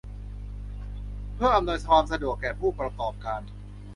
เพื่ออำนวยความสะดวกแก่ผู้ประกอบการ